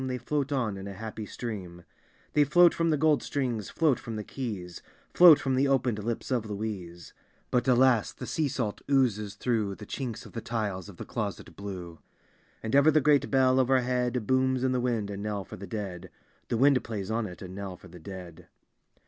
They float on in a happy stream ; They float from the gold strings, float, from the keys, Float from the open'd lips of Louise: But, alasl the sea salt oozes through The chinb of the tiles of the Closet Blue; And ever the great bell overhead Booms in the wind a inell for the dead. The wind plays on it a inell for the dead.